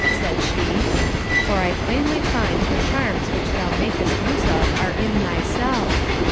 said she, for I plainly find the charms which thou makest use of are in thyself.